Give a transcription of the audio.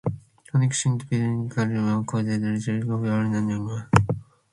Honnick shin thie bwaagh agglagh cooadit lesh freoagh, raad va'n 'aaie cliaghtey ve.